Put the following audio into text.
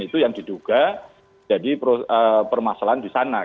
itu yang diduga jadi permasalahan di sana